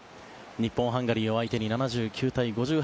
日本、ハンガリーを相手に７９対５８。